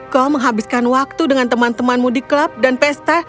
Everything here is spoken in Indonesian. kau menghabiskan waktu dengan teman temanmu di klub dan pesta